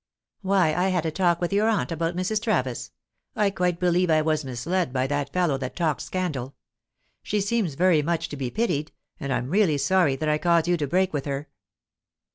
"Why, I had a talk with your aunt about Mrs. Travis. I quite believe I was misled by that fellow that talked scandal. She seems very much to be pitied, and I'm really sorry that I caused you to break with her."